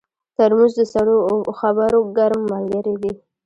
ترموز د سړو خبرو ګرم ملګری دی.